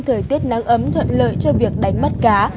thời tiết nắng ấm thuận lợi cho việc đánh bắt cá